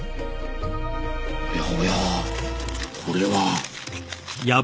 おやおやこれは。